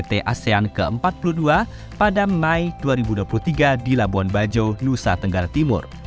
pt asean ke empat puluh dua pada mei dua ribu dua puluh tiga di labuan bajo nusa tenggara timur